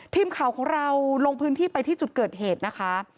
ทีมข่าวของเราลงพื้นที่ไปที่จุดเกิดเหตุนะคะ